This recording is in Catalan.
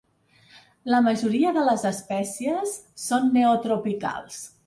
La majoria de les espècies són neotropicals.